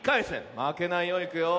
まけないよ。いくよ。